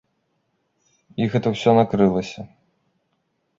І гэта ўсё накрылася.